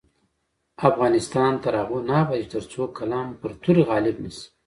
افغانستان تر هغو نه ابادیږي، ترڅو قلم پر تورې غالب نشي.